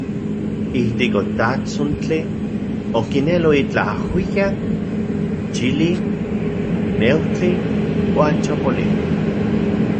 Ijtik otatsontli, okinelo itlaj ajuijyak, chili, neujtli uan chapolimej.